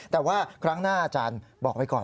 แต่ว่าครั้งหน้าอาจารย์บอกไว้ก่อน